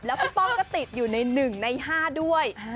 แล้วพี่ป้องก็ติดอยู่ใน๑ใน๕ด้วย